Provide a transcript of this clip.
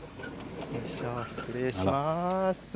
失礼します。